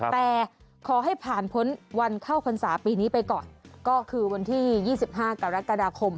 แต่ขอให้ผ่านพ้นวันเข้าพรรษาปีนี้ไปก่อนก็คือวันที่๒๕กรกฎาคม